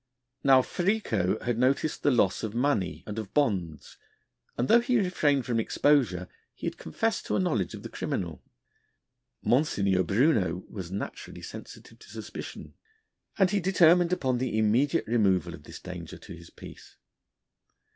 Now Fricot had noted the loss of money and of bonds, and though he refrained from exposure he had confessed to a knowledge of the criminal. M. Bruneau was naturally sensitive to suspicion, and he determined upon the immediate removal of this danger to his peace.